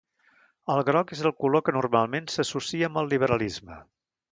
El groc és el color que normalment s"associa amb el liberalisme.